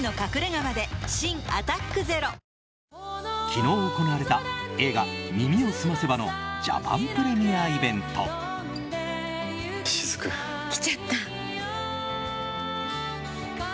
昨日行われた映画「耳をすませば」のジャパンプレミアイベント。来ちゃった。